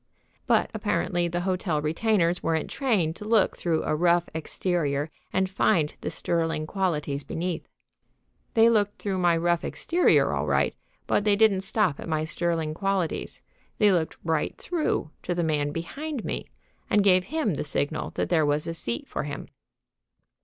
But apparently the hotel retainers weren't trained to look through a rough exterior and find the sterling qualities beneath. They looked through my rough exterior all right, but they didn't stop at my sterling qualities. They looked right through to the man behind me, and gave him the signal that there was a seat for him.